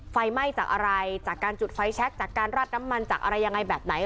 ไฟไหม้จากอะไรจากการจุดไฟแชคจากการราดน้ำมันจากอะไรยังไงแบบไหน